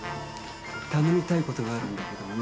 頼みたいことがあるんだけどもね。